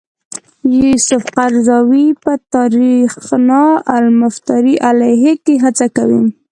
یوسف قرضاوي په تاریخنا المفتری علیه کې هڅه کوي.